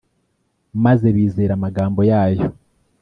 maze bizera amagambo yayo